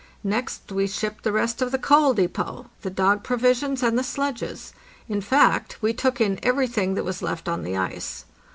Next we shipped the rest of the coal depot, the dog provisions, and the sledges; in fact, we took in everything that was left on the ice.